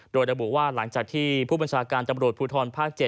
โดยระบุว่าหลังจากที่ผู้บัญชาการตำรวจภูทรภาค๗